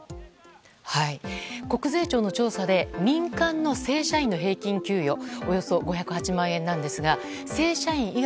国税庁の調査で民間の正社員の平均給与およそ５０８万円なんですが正社員以外